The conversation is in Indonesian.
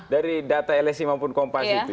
dari data lsi maupun kompas itu